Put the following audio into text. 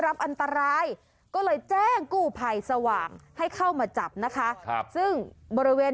รับอันตรายก็เลยแจ้งกู้ภัยสว่างให้เข้ามาจับนะคะซึ่งบริเวณ